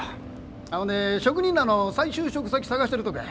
あっほんで職人らの再就職先探してるとこや。